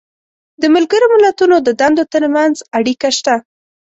د ملګرو ملتونو د دندو تر منځ اړیکه شته.